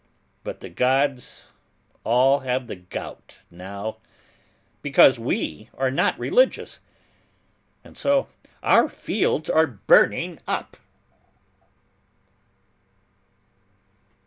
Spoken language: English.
But the gods all have the gout now, because we are not religious; and so our fields are burning up!"